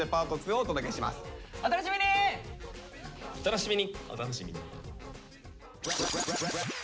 お楽しみに。